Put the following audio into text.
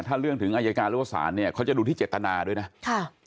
ถ้าเรื่องถึงอายการหรือว่าศาลเนี่ยเขาจะดูที่เจตนาด้วยนะค่ะ